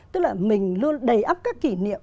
tức là mình luôn đầy ấp các kỷ niệm